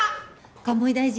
鴨井大臣